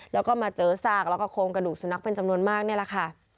แล้วก็มาเจอซากแล้วก็โครงกระดูกสุนัขเป็นจำนวนมากนี่แหละค่ะ